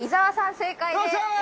◆伊沢さん、正解です。